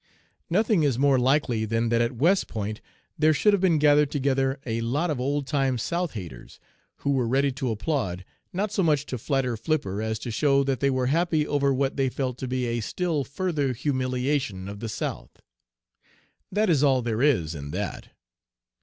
Nothing is more likely than that at West Point there should have been gathered together a lot of old time South haters, who were ready to applaud, not so much to flatter Flipper as to show that they were happy over what they felt to be a still further humiliation of the South. That is all there is in that.